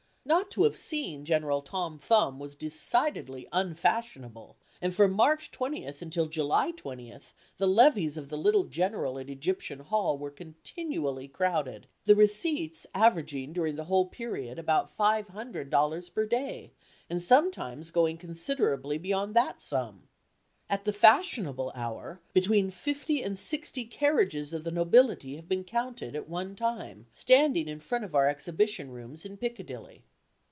Not to have seen General Tom Thumb was decidedly unfashionable, and from March 20th until July 20th, the levees of the little General at Egyptian Hall were continually crowded, the receipts averaging during the whole period about five hundred dollars per day, and sometimes going considerably beyond that sum. At the fashionable hour, between fifty and sixty carriages of the nobility have been counted at one time standing in front of our exhibition rooms in Piccadilly.